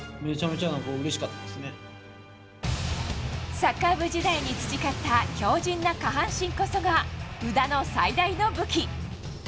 サッカー部時代に培った強靱な下半身こそが、宇田の最大の武器。